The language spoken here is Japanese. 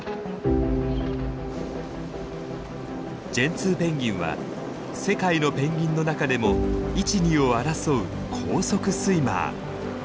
ジェンツーペンギンは世界のペンギンの中でも１２を争う高速スイマー。